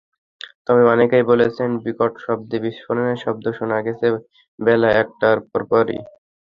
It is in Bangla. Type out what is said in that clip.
তবে অনেকেই বলেছেন, বিকট শব্দে বিস্ফোরণের শব্দ শোনা গেছে বেলা একটার পরপরই।